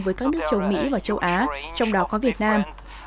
với các nước châu mỹ và châu á trong đó có việt nam